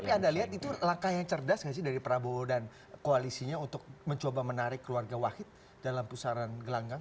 tapi anda lihat itu langkah yang cerdas gak sih dari prabowo dan koalisinya untuk mencoba menarik keluarga wahid dalam pusaran gelanggang